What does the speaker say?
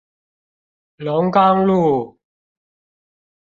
龍岡路